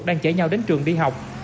đang chở nhau đến trường đi học